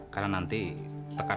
letaknya itu sumpahin